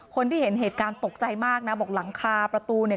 คนที่เห็นเหตุการณ์ตกใจมากนะบอกหลังคาประตูเนี่ย